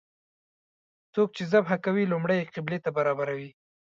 څوک چې ذبحه کوي لومړی یې قبلې ته برابروي.